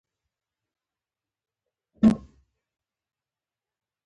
نو یا الله بسم الله، کنه نو تاسو باید په ښکاره سوله وکړئ.